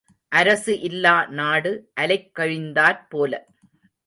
அரசு இல்லா நாடு அலைக்கழிந்தாற் போல.